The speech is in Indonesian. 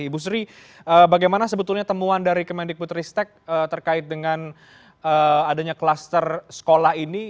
ibu sri bagaimana sebetulnya temuan dari kemendik putristek terkait dengan adanya kluster sekolah ini